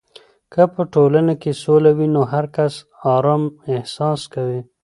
که په ټولنه کې سوله وي، نو هر کس آرام احساس کوي.